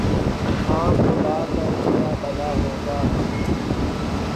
ہاں بھلا کر ترا بھلا ہوگا